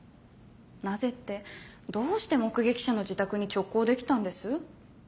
なぜってどうして目撃者の自宅に直行できたんです？